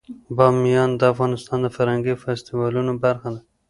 بامیان د افغانستان د فرهنګي فستیوالونو برخه ده.